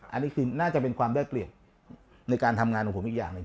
อันนี้คือน่าจะเป็นความได้เปรียบในการทำงานของผมอีกอย่างหนึ่ง